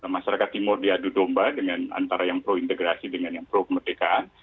masyarakat timur diadu domba dengan antara yang pro integrasi dengan yang pro kemerdekaan